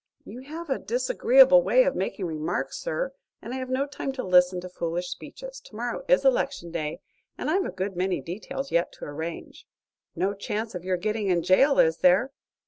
"You have a disagreeable way of making remarks, sir, and I have no time to listen to foolish speeches. Tomorrow is election day and I've a good many details yet to arrange." "No chance of you're getting in jail, is there?"